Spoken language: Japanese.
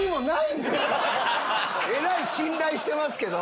えらい信頼してますけど。